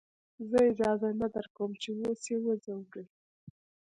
زه اجازه نه درکم چې اوس يې وځورې.